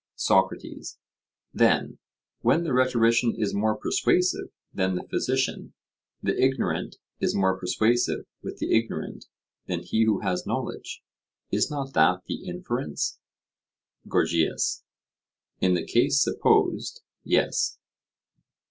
SOCRATES: Then, when the rhetorician is more persuasive than the physician, the ignorant is more persuasive with the ignorant than he who has knowledge?—is not that the inference? GORGIAS: In the case supposed:—yes.